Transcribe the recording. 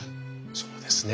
そうですね。